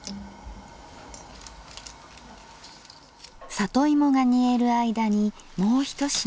里芋が煮える間にもう一品。